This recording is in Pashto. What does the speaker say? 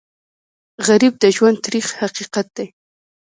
غریب د ژوند تریخ حقیقت دی